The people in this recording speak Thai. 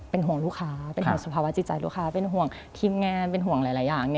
เป็นห่วงหลายอย่าง